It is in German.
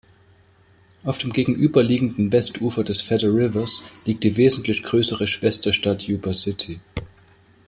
Auf dem gegenüberliegenden Westufer des Feather Rivers liegt die wesentlich größere Schwesterstadt Yuba City.